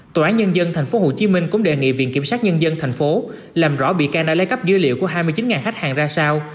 tòa án nhân dân tp hcm cũng đề nghị viện kiểm sát nhân dân tp hcm làm rõ bị can đã lấy cắp dữ liệu của hai mươi chín khách hàng ra sao